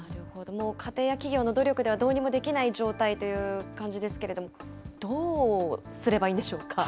もう家庭や企業の努力ではどうにもできない状態という感じですけれども、どうすればいいんでしょうか。